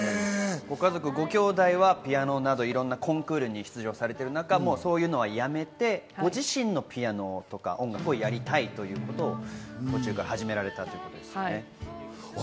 ご家族、ごきょうだいはピアノなど、いろんなコンクールに出場されてる中、そういうのはやめて、ご自身のピアノとか音楽をやりたいということを途中から始められたということですね。